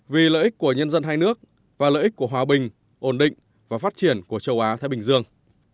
vì lợi ích của nhân dân hai nước và lợi ích của hòa bình ổn định và phát triển của châu á thái bình dương